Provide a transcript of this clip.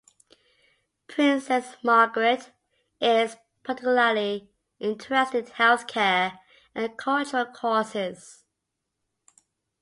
Princess Margriet is particularly interested in health care and cultural causes.